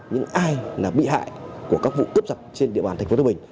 những ai bị hại của các vụ cướp giật trên địa bàn tp hcm